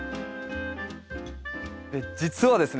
実はですね